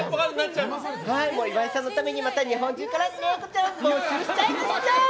岩井さんのためにまた日本中からネコちゃん募集しちゃいましょう！